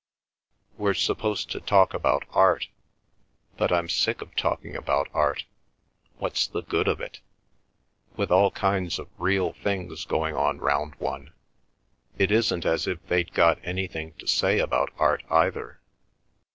We're supposed to talk about art, but I'm sick of talking about art—what's the good of it? With all kinds of real things going on round one? It isn't as if they'd got anything to say about art, either.